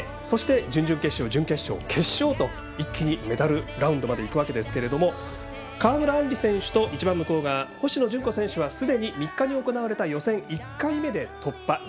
そして準々決勝、準決勝、決勝と一気にメダルラウンドまでいくわけですけども川村あんり選手と星野純子選手はすでに３日に行われた予選１回目で突破。